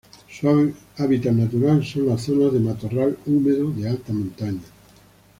Su hábitat natural son las zonas de matorral húmedo de alta montaña.